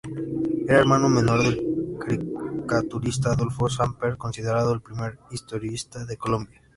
Era hermano menor del caricaturista Adolfo Samper, considerado el primer historietista de Colombia.